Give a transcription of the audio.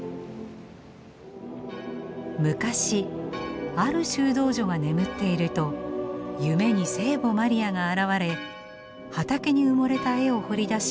昔ある修道女が眠っていると夢に聖母マリアが現れ畑に埋もれた絵を掘り出し